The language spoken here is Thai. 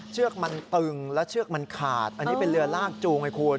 เชือกมันตึงแล้วเชือกมันขาดอันนี้เป็นเรือลากจูงไงคุณ